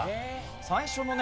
最初のね